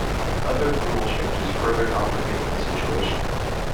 Other rule changes further complicated the situation.